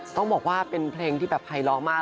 ต้องบอกว่าเป็นเพลงที่แบบภัยล้อมาก